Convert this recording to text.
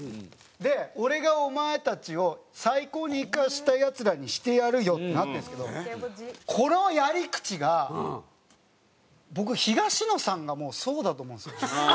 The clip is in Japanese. で「俺がお前達を最高にイカした奴らにしてやるよ」ってなってるんですけどこのやり口が僕東野さんがもうそうだと思うんですよね。